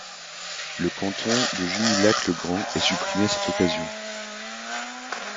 Le canton de Jumilhac-le-Grand est supprimé à cette occasion.